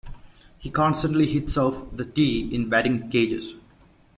He constantly hits off the tee in batting cages.